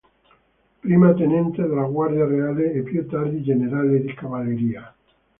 Prima tenente della Guardia Reale, e più tardi generale di cavalleria.